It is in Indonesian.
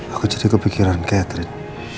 aku jadi kepikiran catherine